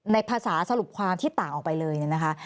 ในภาษาสรุปความที่ต่างออกไปเลยเนี่ยนะคะ